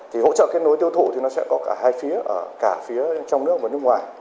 thì hỗ trợ kết nối tiêu thụ thì nó sẽ có cả hai phía ở cả phía trong nước và nước ngoài